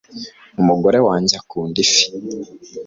umugore wange akunda ifi